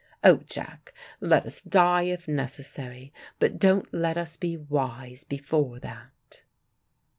Oh, Jack, let us die if necessary, but don't let us be wise before that."